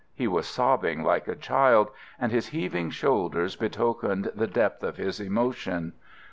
He was sobbing like a child, and his heaving shoulders betokened the depth of his emotion."